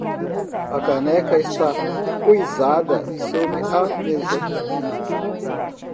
A caneca está poisada sobre a mesa.